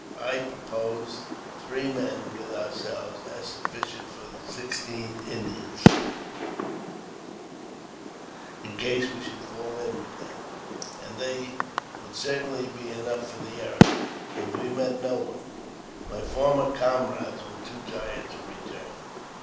I proposed three men, with ourselves, as sufficient for the sixteen Indians, in case we should fall in with them, and they would certainly be enough for the errand if we met no one. My former comrades were too tired to return.